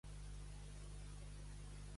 Per Sant Miquel, les cabrelles en mig del cel.